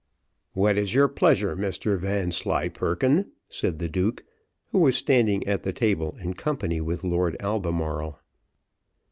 "What is your pleasure, Mr Vanslyperken?" said the duke, who was standing at the table, in company with Lord Albemarle.